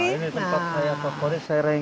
ya ini tempat favorit saya